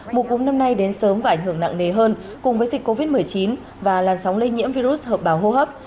mùa cúm năm nay đến sớm và ảnh hưởng nặng nề hơn cùng với dịch covid một mươi chín và làn sóng lây nhiễm virus hợp bào hô hấp